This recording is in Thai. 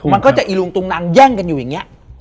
มันก็จะอีลุงตุงนังแย่งกันอยู่อย่างนี้